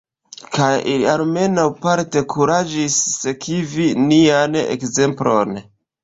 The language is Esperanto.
Kaj ili almenaŭ parte kuraĝis sekvi nian ekzemplon.